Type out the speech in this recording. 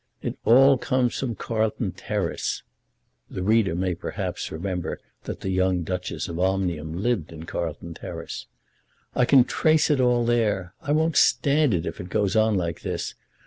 "It all comes from Carlton Terrace." The reader may perhaps remember that the young Duchess of Omnium lived in Carlton Terrace. "I can trace it all there. I won't stand it if it goes on like this.